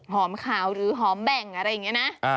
ขาวหรือหอมแบ่งอะไรอย่างนี้นะ